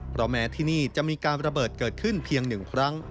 เพราะแม้ที่นี่จะมีการระเบิดเกิดขึ้นเพียง๑ครั้ง